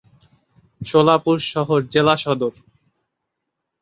সোলাপুর শহর জেলা সদর।